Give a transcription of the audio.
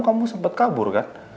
kamu sempet kabur